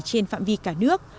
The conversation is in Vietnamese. trên phạm vi cả nước